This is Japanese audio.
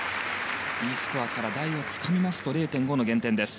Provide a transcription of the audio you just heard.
Ｅスコアから台をつきますと０．５の減点です。